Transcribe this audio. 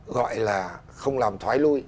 gọi là không làm thoái lui